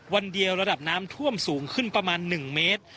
วันเดียวระดับน้ำท่วมสูงขึ้นประมาณ๑เมตร